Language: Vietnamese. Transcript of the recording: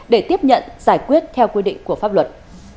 điểm nhận giải quyết theo quy định của pháp luật